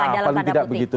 ya paling tidak begitu